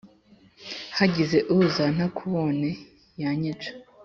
Hagize uza ntakubone yanyica